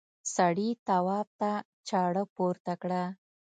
سړي تواب ته چاړه پورته کړه.